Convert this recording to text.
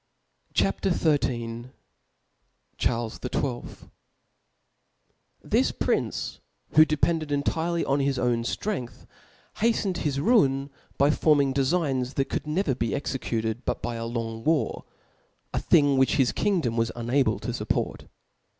€ H A P XII; C k A fi L E i XIL THIS prince, who depended lentirely on his own ftrength, haftened Mis ruin by fomitfg defigns that could never be executed biu by a long war, a thing which his kingdom was unable to fupport.